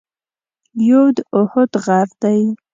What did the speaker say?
یو د اُحد غر دی.